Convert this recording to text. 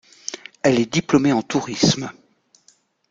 Elle est diplômée en tourisme.